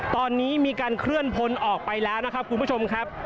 ตอนนี้มีการเคลื่อนพลออกไปแล้วนะครับคุณผู้ชมครับ